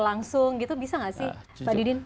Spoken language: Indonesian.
langsung gitu bisa nggak sih pak didin